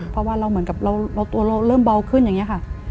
เพราะว่าเราเหมือนกับเราตัวเราเริ่มเบาขึ้นอย่างนี้ค่ะ